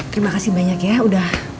terima kasih banyak ya